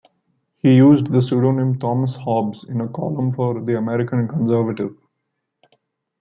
He used the pseudonym Thomas Hobbes in a column for "The American Conservative".